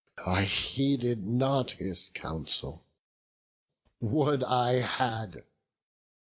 I heeded not his counsel; would I had!